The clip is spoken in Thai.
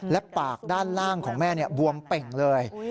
และปากด้านล่างของแม่บวมเป่งเลย